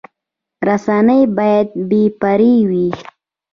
رسنۍ باید بې پرې وي